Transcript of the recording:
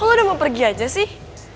lo udah mau pergi aja sih